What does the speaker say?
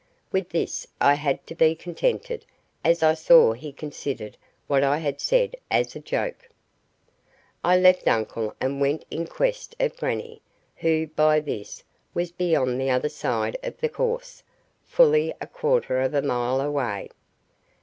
With this I had to be contented, as I saw he considered what I had said as a joke. I left uncle and went in quest of grannie, who, by this, was beyond the other side of the course, fully a quarter of a mile away.